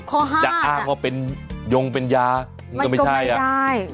ข้อ๕อะมันก็ไม่ได้จะอ้างว่ายงเป็นยามันก็ไม่ใช่อะมันก็ไม่ได้